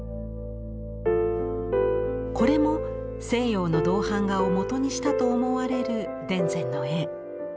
これも西洋の銅版画を元にしたと思われる田善の絵。